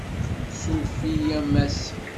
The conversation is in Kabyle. Ssuref-iyi a Mass.